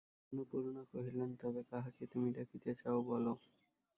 অন্নপূর্ণা কহিলেন, তবে কাহাকে তুমি ডাকিতে চাও বলো।